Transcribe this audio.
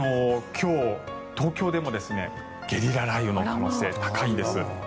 今日、東京でもゲリラ雷雨の可能性が高いんです。